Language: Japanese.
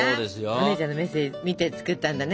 お姉ちゃんのメッセージ見て作ったんだね。